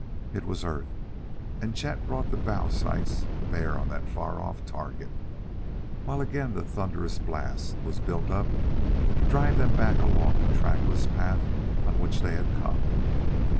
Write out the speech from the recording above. It was Earth; and Chet brought the bow sights to bear on that far off target, while again the thunderous blast was built up to drive them back along the trackless path on which they had come.